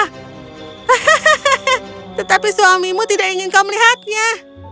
hahaha tetapi suamimu tidak ingin kau melihatnya